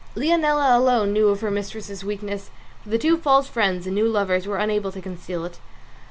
Leonela alone knew of her mistress's weakness, for the two false friends and new lovers were unable to conceal it.